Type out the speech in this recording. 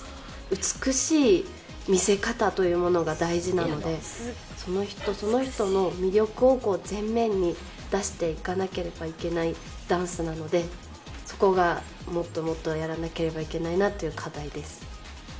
美しい魅せ方というものが大事なので、その人その人の魅力を前面に出していかなければいけないダンスなので、そこがもっともっとやらなければいけないなという課題です。